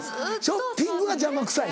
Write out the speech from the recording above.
ショッピングが邪魔くさい。